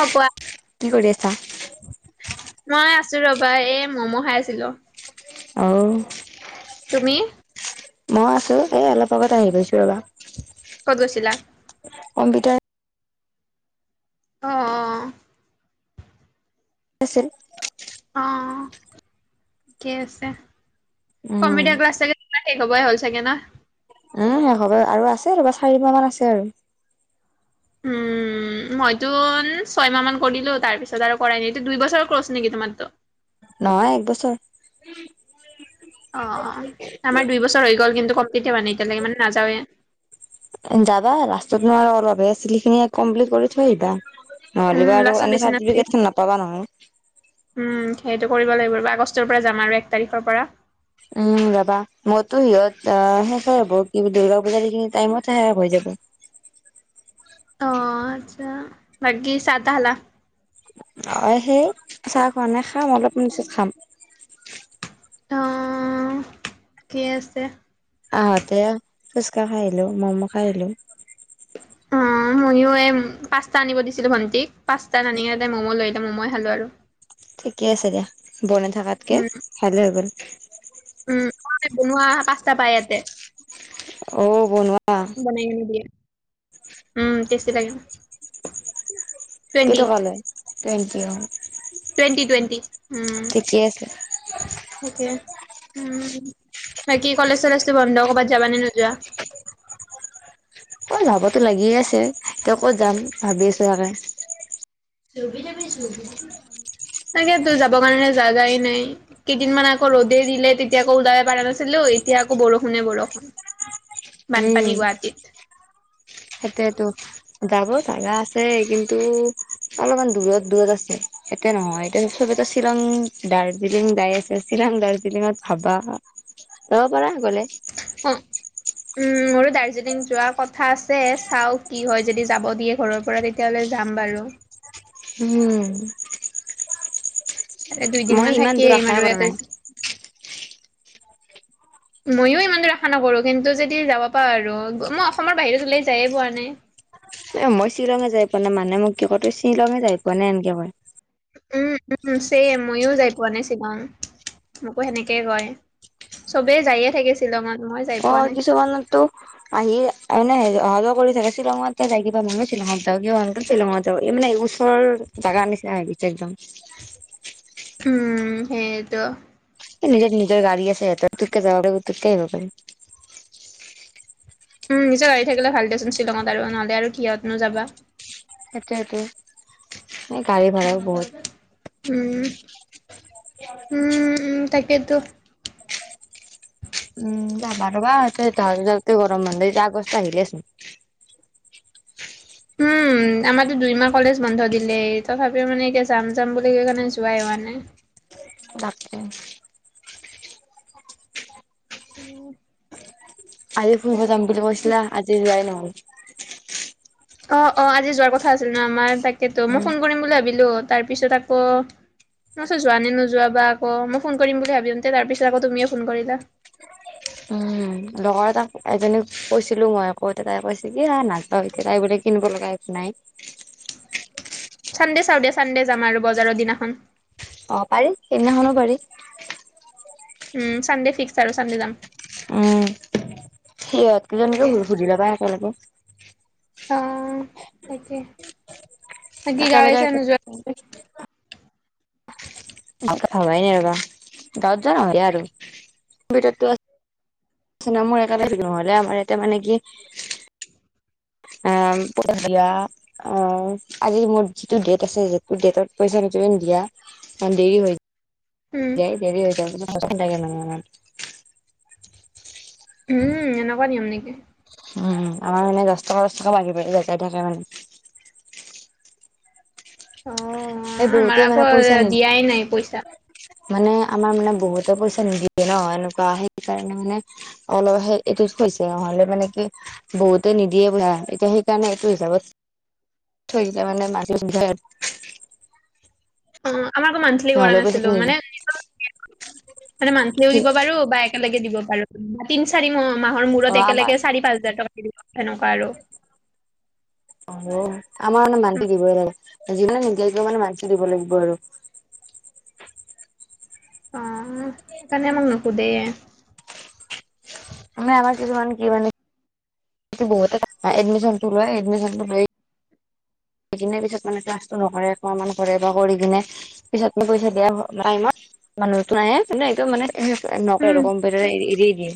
অ কোৱা। কি কৰি আছা? মই আছো ৰবা এই মম' খাই আছিলো। অ। তুমি? মই আছো এই অলপ আগত আহি পাইছো ৰবা। ক'ত গৈছিলা? কম্পিউটাৰ। অ। আছিল। অ অ, ঠিকে আছে, উম, কম্পিউটাৰ ক্লাছ চাগে তোমাৰ শেষ হ'বই হ'ল চাগে ন? উম, হবৰ আৰু আছে ৰবা চাৰি মাহ মান আছে আৰু। ওঁম। উমঁ মইতো ছয়মাহ মান কৰিলো তাৰ পিছত আৰু কৰাই নাই এইটো দুই বছৰ কছ নেকি তোমাৰটো। নহয় একবছৰ। অঁ অঁ আমাৰ দুই বছৰ হৈ গ'ল কিন্তু কমপ্লিটে হোৱা নাই এতিয়ালৈকে মানে নাযাওে। যাবা ৰাসষ্টাত ন আৰু অলপহে চিলিখিনি কমপ্লিট কৰি থৈ আহিবা। উম নহ'লেবা আৰু লাষ্টত এনে বেছি চাৰ্টিফিকেট খন নাপাবা নহয়। উমঁ সেইটো কৰিব লাগিব আগষ্টৰ পৰা যাম আৰু এক তাৰিখৰ পৰা উমঁ ৰাবা মইতো সিহঁত শেষ হৈ হ'ব কি দুৰ্গা পূজা দিখিনি টাইমতে শেষ হৈ যাব। অঁ আচ্ছা বাকি ছা তা খালা? অঁ সেই চাহ খোৱা নাই খাম অলপমান পছত খাম। অঁ কি আছে। আহোঁতে ফুচকা খাইলো মম' খাইলো। উমঁ ময়ো এই পাস্তা আনিব দিছিলোঁ ভণ্টিক পাস্তা নানিকনে তাতে ম'ম' লয় আনিলে ম'মো খালোঁ আৰু। ঠিকে আছে দিয়া বনাই থকাতকে ভালে হৈ গ'ল। উমঁ ম বনোৱা পাস্তা পাই ইয়াতে। অঁ বনোৱা। বনাই কেনি দিয়ে উমঁ টেষ্টি লাগে ন। কেইটকা লয় টুৱেণ্টি অঁ। টুৱেণ্টি টুৱেণ্টি ঠিকে আছে। উমঁ উমঁ। বাকী কলেজ চলেজো বন্ধ ক'ৰবাত যাবা নে নোযোৱা? অঁ জাৱতো লাগিয়ে আছে ত ক'ত যাম ভাবি আছো সেই কাৰণে। তাকে তো যাব কাৰণে জাগাই নাই। কেইদিনমান আকৌ ৰ'দে দিলে তেতিয়া আকৌ ওলাব পাৰা নাছিলো এতিয়া আকৌ বৰষুণে বৰষুণ। বানপানী গুৱাহাটীত। সেইতেতো যাব জাগা আছে কিন্তু অলপমান দূৰত দূৰত আছে। এতে নহয় এতিয়া চবেতো শ্বিলং দাৰ্জিলিং যাই আছে শ্বিলং দাৰ্জিলিঙত ভাবা যাব পাৰা গ'লে। অঁ উমঁ! মোৰো দাৰ্জিলিং যোৱাৰ কথা আছে চাওঁ কি হয় যদি যাব দিয়ে ঘৰৰ পৰা তেতিয়াহলে যাম বাৰু। উমঁ! মই দুইদিনমান ইমান দূৰ থাকিম আশাই আৰু কৰা ইয়াতে নাই। ময়ো ইমান দূৰ আশা নকৰো কিন্তু যদি যাব পাৱ আৰু মই অসমৰ বাহিৰত ওলাই যায়ে পোৱা নাই। এ মই শ্বিলঙে যাই পোৱা নাই মানে মোক কি কয় তই শ্বিলঙে যাই পোৱা নাই এনেকে কয়। উমঁ উমঁ ছেম ময়ো যাই পোৱা নাই শ্বিলং মোকো সেনেকেই কয়। চবে যায়ে থাকে শ্বিলংত। অঁ কিছুমানৰ তু আহি এনে অহা যোৱা কৰি থাকে শ্বিলঙত যাই কিবা মই শ্বিলঙত যাওঁ কিবা শিলঙত যাও মানে নিজৰ জাগা নিচিনা হৈ গিছে একদম। উমঁ সেইৱেটো। নিজে নিজৰ গাড়ী আছে এতাককে পুটুককে যাব পাৰি পুটুককে আহিব পাৰি। উমঁ নিজৰ গাড়ী থাকিলে ভাল দেচোন শ্বিলঙত আৰু নহ'লে আৰু কিহতনোযাবা। সেইটোৱেটো। এই গাড়ী ভাড়াও উমঁ বহুত হুম উমঁ তাকেতো। উমঁ যাবা ৰবা যাওঁ যাওতে গৰম বন্ধ শেষ আগষ্ট আহিলে চোন। উমঁ! আমাৰতো দুইমাহ কলেজ বন্ধ দিলে তথাপিও মানে এতিয়া যাম যাম বুলি কৈ কেণে যোৱাই হোৱা নাই তাকে উম আজি ফুৰিব যাম বুলি কৈছিলা আজি যোৱাই নহল অ অ আজি যোৱাৰ কথা আছিল ন আমাৰ তাকেতো মই উম ফোন কৰিম বুলি ভাবিলো তাৰপিছত আকৌ মই ভাবিছো যোৱা নে নোযোৱা বা আক মই ফোন কৰিম বুলি ভাবোতে তাৰপিছত আকৌ তুমিয়ে ফোন কৰিলা উম লগৰ এটাক এজনীক কৈছিলো মই কৌওতে তাই কৈছিল কি হা নাযাও এতিয়া তাই বোলে কিনিব লগাই নাই চান্ডে চাও দে চান্ডে যাম আৰু বজাৰৰ দিনাখন অ পাৰি সেইদিনাখনো পাৰি উম চানদে ফিক্স আৰু চানদে যাম উম সিহঁত কেইজনীকো সুধি লবা একেলগে অহ তাকে বাকী গাঁৱে একেলগে চাৱে নোযোৱা ভালকে ভাবাই নাই ৰবা গাঁৱত যোৱা নহয় দিয়া আৰু ভিতৰতো নিচিনা মোৰ একবাৰে থাকিম নহলে আমাৰ এয়াতে মানে কি অহ পৰহিয়া [unintelligible] অ আজি মোৰ যিটো ডেট আছে যিটো ডেটত পইচা কেইটামান দিয়া কাৰণ দেৰি হয় উম হে দেৰি হৈ যাব [unintelligible] উম এনেকুৱা নিয়ম নিকি উম আমাৰ মানে দচ টাকা দচ টাকা বাঢ়ি বৈ ইয়াতে থাকে মানে অ এই আমাৰ বহুতে আকৌ মানে পইচা নিদ দিয়াই নাই পইচা। মানে আমাৰ মানে বহুতে পইচা নিদিয়ে ন এনেকুৱা সেইকাৰণে মানে অলপ সে এইটো থৈছে নহলে মানে কি বহুতে নিদিয়ে ভাৰা এতিয়া সেইকাৰণে এইটো হিচাপত থৈই দিলে মানে মাজে [unintelligible] হুম আমাৰ আকৌ মান্থিলি কৰা নহ'লে পইচাটো নাছিলো মানে নিদিয়ে মানে মান্থিলি কি দিব পাৰো বা এক একেলগে দিব পাৰো তিন চাৰি মা মাহৰ অ মূৰত আমাৰ একেলগে চাৰি পাঁচ হাজাৰ টকা দি দিব পাৰো সেনকা আৰু [inaudible] অ আমাৰ মানে উম, মান্থিলি দিবই লাগে যিমান নিদিয়া কিয় মানে মান্থিলি দিব লাগিব আৰু অহ সেইকাৰণে আমাক নুসুধেয়ে মানে আমাৰ কিছুান কি মানে এতিয়া বহুতে এডমিশন টো লয় এডিমিশনটো লৈ এদিনৰ পিছত মানে ক্লাছটো নকৰে একমাহ মান কৰে বা কৰি কিনে পিছত মে পইচা দিয়া টাইমত মানুহটো নাহে মানে এইটো মানে নকৰে উম আৰু কম্পিউটাৰ এ এৰি দিয়ে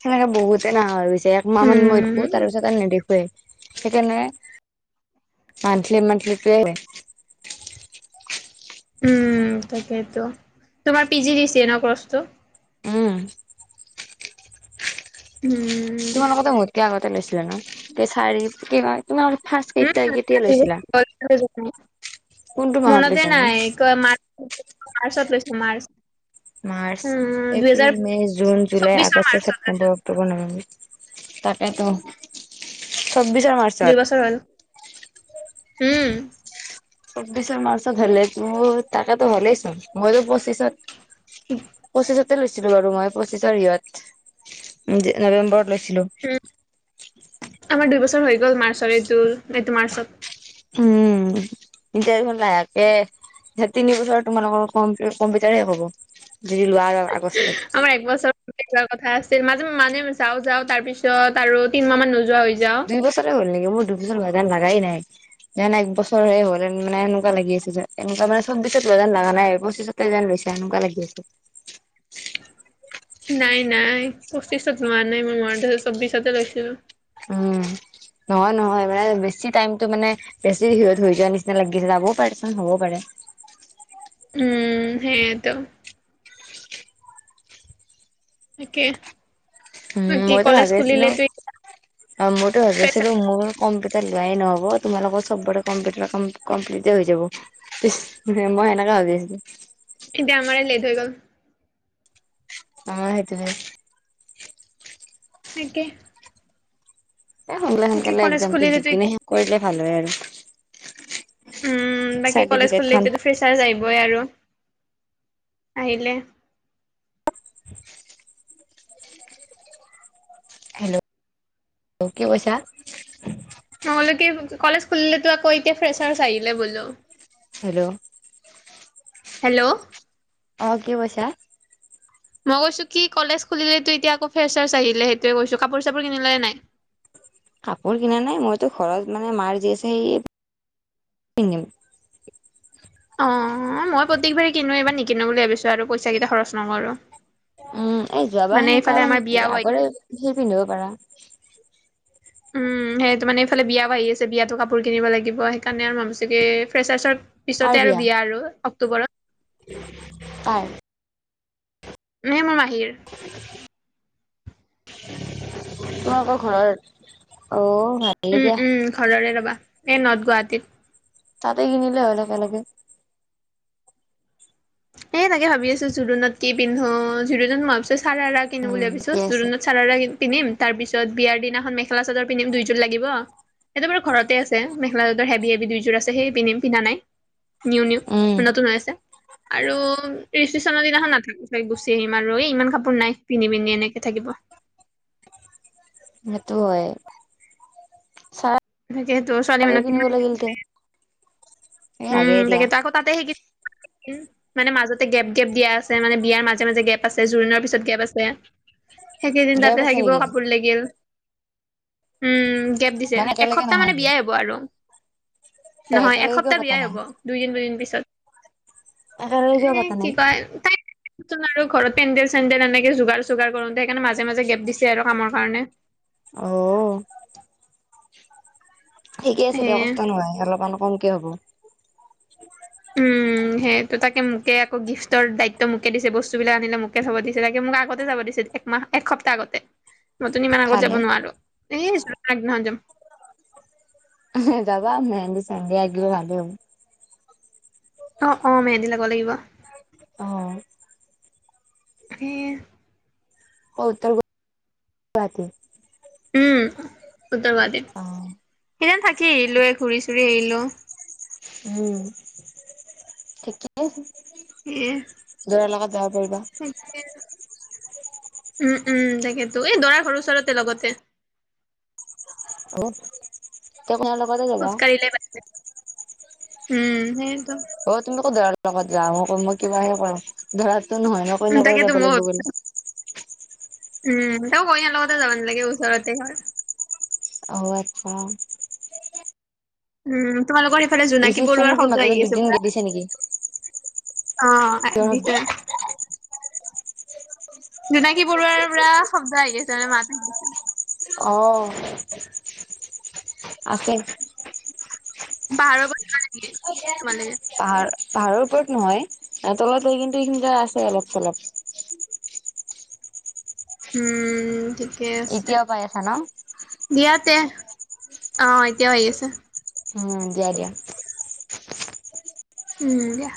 সেনেকে বহুতে না হৈ গৈছে একমাহ মান মই দেখো তাৰ উম পিছত আৰু নেদেখুৱেই সেইকাৰণে মান্থিলি মান্থিলি টোৱে উম তাকেইতো তোমাৰ পি জি ডি চিয়ে ন কৰ্চটো উম। উম তোমাৰ লগতে ভৰ্তি আগতে লৈছিলে ন' তৌ চাৰি কি কয় [unintelligible] কোনটো মাহত মনতে লৈছানো? নাই কয় -মাৰ্চ মাৰ্চত লৈছো মাৰ্চ মাৰ্চ, উম দুহেজাৰ এপ্ৰিল, মে, ' জুন, জুলাই, চৌবিশৰ আগষ্ট, মাৰ্চত লৈছো ছেপ্তেম্বৰ। অক্টোবৰ নবেম্বৰ-তাকেতো চব বিচাৰ ম দুই বছৰ হল উম। চৌব্বিশৰ মাৰ্চত হলে তো তাকেতো হ'লেই চোন মইতো পঁচিছত পঁচিছত লৈছিলো বাৰু মই পঁচিছৰ ইঅত নৱেম্বৰত লৈছিলো। উম আমাৰ দুইবছৰ হৈ গ'ল মাৰ্চৰ এইটো -এইটো মাৰ্চত। [unintelligible] তিনবছৰ তোমালোকৰ কম কম্পিউটাৰে হ'ব যদি লোৱা আগষ্টত আমাৰ একবছৰ -য কথা আছিল মাজে -মানে যাও-যাও তাৰ পিছত আৰু তিনমাহ মান নোযোৱা হৈ যাওঁ। দুই বছৰে হ'ল নেকি মোৰ‌ দুইবছৰ হোৱা যেন লগাই নাই। যেন এক বছৰ হ'লহেন এনেকুৱা লাগি আছে যে এনেকুৱা মান চৌব্বিছত হোৱা যেন লাগা নাই পঁচিছত [unintelligible] এনেুৱা লাগি আছে। নাই নাই পঁচিছত লোৱা নাই মই মনত‌ আছে চৌব্বিছতে লৈছিলো। উম নহয় নহয় -এইবিল বেছি টাইমতটো মানে বেছি বিৰত হৈ যোৱাৰ নিচিনা লাগিছিল যাবও পাৰে চোন হবওঁ পাৰে। উম সেই আইটো। তাকে উম বাকী কলেজ খুলিলে তো এতিয়া অ', মোৰতো ভাবি আছিলোঁ ফ্ৰেচাৰ্ছ, মোৰ কম্পিউটাৰ লোৱাই নহব তোমালোকৰ সব কম্পিউটাৰৰ কাম‌ কমপ্লিট তে হৈ যাব। মই সেনেকা ভাবি আছিলো। এতিয়া আমাৰে লেট হৈ গ'ল। অ', সেইটো হে। তাকে। এ সোনকালে বাকী সোনকালে কলেজ এক্জামটো দি খুলিলেতো কিনে এতিয়া শেষ কৰিলে ভাল হয় আৰু। উম বাকী কলেজ চাৰ্টিফিকেট খুলিলে খন টো ফ্ৰেৰ্চাছ আহিবই আৰু -আহিলে অ', কি কৈছা? নহলে কি কলেজ খুলিলেতো আকৌ এতিয়া ফ্ৰেৰ্চাছ আহিলে বোলো। হেল্ল'। হেল্ল'। অ', কি কৈছা। মই কৈছো কি কলেজ খুলিলেতো এতিয়া আকৌ ফ্ৰেৰ্চাছ আহিলে সেইতোৱে কৈছো কাপোৰ-চাপোৰ কিনিলা‌ নে নাই? কাপোৰ কিনা নাই মইতো ঘৰত মানে মাঁৰ যি আছে সেইয় -পিন্ধিম। অ', মই প্ৰত্যেকবাৰে কিনো এইবাৰ নিকিনো বুলি ভাবিছো আৰু পইচা কেইটা খৰচ নকৰো। উম এই যোৱাবাৰ সেনেকুৱা এইফালে মানে আমাৰ কি বিয়াও আহি আগৰে সি পিন্ধিব পাৰা। উম সেইটো মানে ইফালে বিয়াওঁ আহি আছে বিয়াতো কাপোৰ কিনিব লাগিব সেইকাৰণে আৰু ভাবিছোঁ কি ফ্ৰেৰ্চাছত পিছতে আৰু বিয়া আৰু অক্টোবৰত। -কাৰ। এ মোৰ মাহিৰ। [unintelligible] -তোমালোকৰ ঘৰৰ অ', ভালেই উম, দিয়া। উম, ঘৰৰে ৰবা এই নৰ্থ গুৱাঁহাটীত। তাতে কিনিলে হ'ল একেলগে। এ তাকে ভাবি আছো জোৰোণত কি পিন্ধো জোৰোণত মই ভাবিছো চাৰাৰা কিনো বুলি উম ভাবিছো ঠিকে আছে জোৰোণত চাৰাৰা পিন্ধিম তাৰ পিছত বিয়াৰ দিনাখন মেখেলা চাদৰ পিন্ধিম দুইযোৰ লাগিব। সটো বাৰ ঘৰতে আছে মেখেলাচাদৰ হেভি হেভি দুইযোৰ আছেই পিন্ধিম পিন্ধা নাই। নিউ নিউ উম ম নতুন হৈ আছে। আৰু ৰিচিপশ্যনৰ দিনাখন নাথাকো চাগ গুচি আহিম আৰু এই ইমান কাপোৰ নাই পিন্ধি -পিন্ধি এনেকে থাকিব। সেইটো হয় চা তাকিহেতু ছোৱালী কিমান কি কি লাগে। এ লাগে উম দিয়া তাকেতো আকৌ তাতে সেই [unintelligible] মানে মাজতে গেপ গেপ দিয়া আছে মানে বিয়াৰ, মাজে মাজে গেপ আছে জোৰোণৰ, পিছত গেপ আছে। সেইকেইদিন গেপ তাতে আছে থাকিবও নেকি কাপোৰ লাগিল উম। কেপ দিছে মানে একেলগে এসপ্তাহ মানে বিয়াই হ'ব। আৰু একে লগে কিয় পাতিছে য়াই হ'ব দুইদিন দুদিন পিছত একেলগে এ কিয় পাতা কি নাই কয় তাই সোন আৰু ঘৰত পেণ্ডেল চেডেল এনেকে যোগাৰ চোগাৰ কৰোঁতে সেইণে মাজে মাজে গেপ দিছে আৰু কামৰ কাৰণে অ ঠিকে আছে দিয়া সেয়ে কষ্ট নহয় অলপমান কমকে হ'ব। উম-। সেই তাকে মোকে আকৌ গিফটৰ দায়িত্ব মোকে দিছে বস্তুবিলাক আনে মোকে চাব দিছে তাকে মোক আগতে যাব দিছে মাহ একসপ্তাহ আগতে নতুন ইমান আগত যাব ভালে নোৱাৰো এই আগদিনাত যাম। যাবা মেহেন্দী চেহন্দী আ গিলে ভালেই হ'ব। অ অ মেহন্দী লাব লাগিব। অ কি অ উত্তৰ গ ৰাতে উম উত্তৰ অ গুৱাহাটীত সেইদ থাকি আহিলোয় ঘূৰি চুৰি আহিলো। মোৰ থিকে সেয়ে দূৰ লগত যাব পাৰিবা। তাকে উম উম তাকেতো এই দৰা ঘৰৰ ওচৰতে লগতে। অ তে সিহঁতৰ লগতে গলি খোচকাৰিলে উম সেইটো অ তুমি কো ধৰাৰ লগত যা মই কিবাহে কৰো ধৰাতো নহয় উম মনেক তাকেতো যাব মই লাগিব ভাবি- গ'লে। উম তওঁ কইনা লগতে যাব নালাগে ওচৰতে ঘৰত। অ আচ্ছা। উম তোমালোকৰ ইফালে জোনাকী, ৰিচিপচনো পৰুৱাৰ কি শব্দ মাজতে আহি আছে দুদিন গেপ পুৰা। দিছে নেকি? অ ভিতৰত জোনাকী, পৰুৱাৰ পৰাৰা শব্দ আহি আছে মানে মাত আহি আছে। অ আছে পাহাৰৰ, পৰা যিবা নেকে তোমালোকে পাহাৰ, পাহাৰৰ ওপৰত নহয় তলতে কিন্তু এইখিনি জো আছে অলপ -চলপ উম ঠিকে আছে। এতিয়াও পাই আছা ন? দিয়া তে অ এতিয়াও আহি আছে। উম দিয়া দিয়া। উম দিয়া।